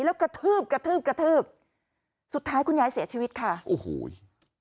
แล้วกระทืบกระทืบกระทืบสุดท้ายคุณยายเสียชีวิตค่ะโอ้โห